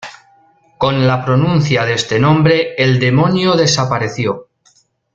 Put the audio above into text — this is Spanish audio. Con la pronuncia de este nombre, el demonio desapareció.